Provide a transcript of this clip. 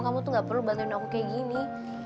kamu tuh gak perlu bantuin aku kayak gini